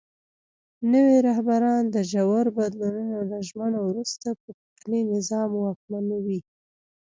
نوي رهبران د ژورو بدلونونو له ژمنو وروسته پخواني نظام واکمنوي.